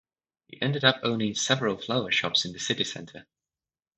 He ended up owning several flower shops in the city centre.